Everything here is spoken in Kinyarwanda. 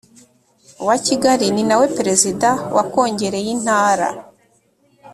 wa kigali ni nawe perezida wa kongere y intara